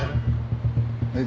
えっ？